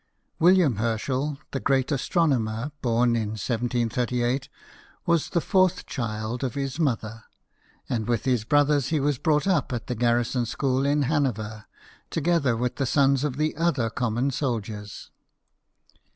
William Herschel, the great astronomer (born in 1 738), was the fourth child of his mother, and with his brothers he was brought up at the garrison school in Hanover, together with the sons of the other common soldiers.